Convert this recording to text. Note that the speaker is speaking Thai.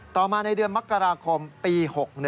ต่อมาในเดือนมกราคมปี๖๑